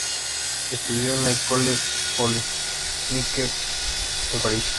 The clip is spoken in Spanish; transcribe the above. Estudió en la École Polytechnique de París.